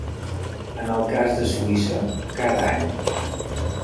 En el cas de Suïssa, cada any.